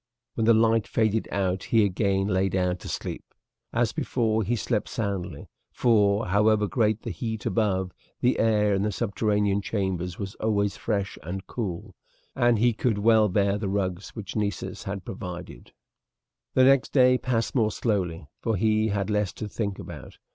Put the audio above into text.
When the light faded out he again lay down to sleep. As before, he slept soundly; for, however great the heat above, the air in the subterranean chambers was always fresh and cool, and he could well bear the rugs which Nessus had provided. The next day passed more slowly, for he had less to think about.